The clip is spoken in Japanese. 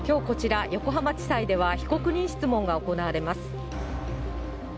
きょう、こちら横浜地裁では、被告人質問が行われます。